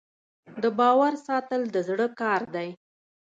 د باور ساتل د زړه کار دی.